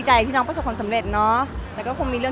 อ๋อเจอขอเจออย่างนั้นก็ดีใจ